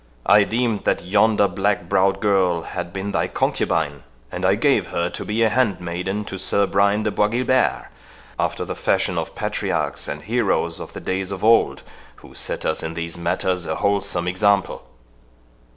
I deemed that yonder black browed girl had been thy concubine, and I gave her to be a handmaiden to Sir Brian de Bois Guilbert, after the fashion of patriarchs and heroes of the days of old, who set us in these matters a wholesome example."